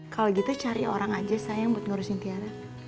kalau gitu cari orang aja sayang buat ngurusin tiara